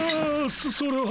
そそれは。